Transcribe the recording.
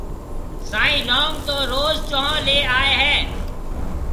سائين لونگ تو روز چونه لي آئي هيَ۔